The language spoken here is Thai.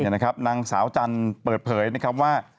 นางสาวจันทร์เปิดเผยนะครับว่า